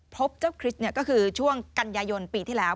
พบเจ้าคริสต์ก็คือช่วงกันยายนปีที่แล้ว